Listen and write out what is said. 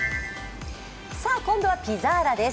今度はピザーラです。